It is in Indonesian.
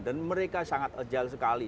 dan mereka sangat agile sekali